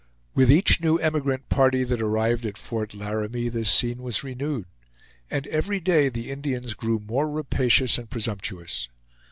With each new emigrant party that arrived at Fort Laramie this scene was renewed; and every day the Indians grew more rapacious and presumptuous.